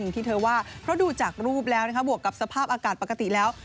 ที่เธอว่าเพราะดูจากรูปแล้วนะคะบวกกับสภาพอากาศปกติแล้ว